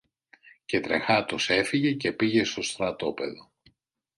Και τρεχάτος έφυγε και πήγε στο στρατόπεδο.